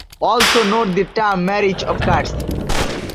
Also note the term Marriage of cards.